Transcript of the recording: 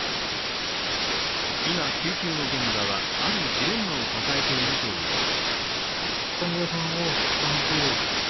今、救急の現場はあるジレンマを抱えているといいます。